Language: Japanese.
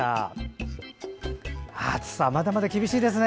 暑さ、まだまだ厳しいですね。